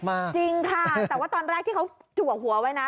จริงค่ะแต่ว่าตอนแรกที่เขาจัวหัวไว้นะ